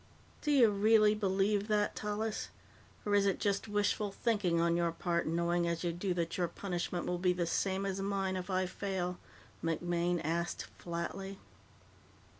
"Do you really believe that, Tallis, or is it just wishful thinking on your part, knowing as you do that your punishment will be the same as mine if I fail?" MacMaine asked flatly.